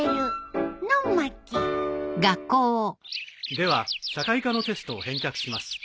では社会科のテストを返却します。